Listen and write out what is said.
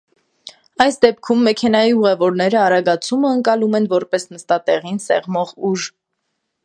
Այս դեպքում մեքենայի ուղևորները արագացումը ընկալում են որպես նստատեղին սեղմող ուժ։